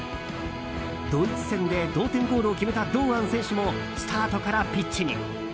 ドイツ戦で同点ゴールを決めた堂安選手もスタートからピッチに。